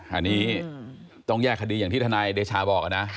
อันนี้ต้องแยกคดีอย่างที่ทนายเดชาบอกนะ